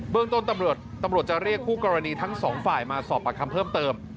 เบื้องต้นตำรวจตำรวจจะเรียกคู่กรณีทั้งสองฝ่ายมาสอบประคำเพิ่มเติม